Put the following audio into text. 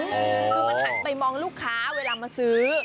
คือมันหันไปมองลูกค้าเวลามาซื้อ